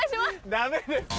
ダメです。